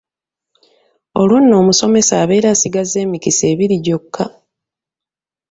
Olwo nno omusomesa abeera asigazza emikisa ebiri gyokka.